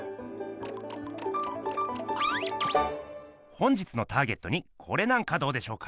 本日のターゲットにこれなんかどうでしょうか？